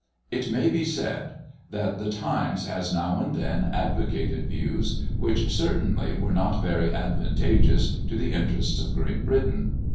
It may here be said, that the Times has now and then advocated views which certainly were not very advantageous to the interests of Great Britain.